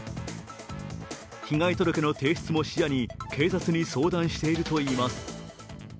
被害届の提出も視野に警察に相談しているといいます。